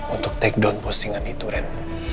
untuk take down postingan itu ren